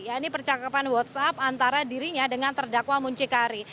ya ini percakapan whatsapp antara dirinya dengan terdakwa muncikari